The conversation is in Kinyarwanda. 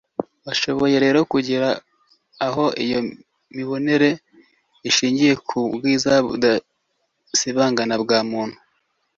washoboye rero kugera aho, iyo mibonere ishingiye ku bwiza budasibangana bwa muntu